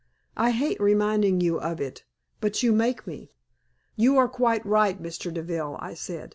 I hate reminding you of it, but you make me." "You are quite right, Mr. Deville," I said.